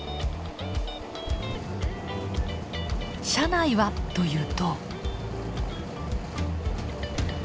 車内はというと。